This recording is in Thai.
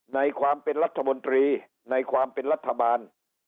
ในความเป็นรัฐมนตรีในความเป็นรัฐบาล